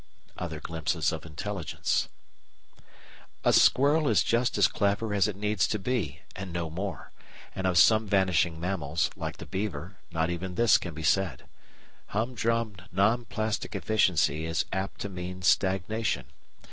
Other Glimpses of Intelligence A squirrel is just as clever as it needs to be and no more; and of some vanishing mammals, like the beaver, not even this can be said. Humdrum non plastic efficiency is apt to mean stagnation.